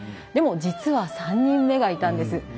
でも、実は３人目がいたんです。